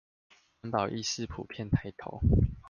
環保意識普遍抬頭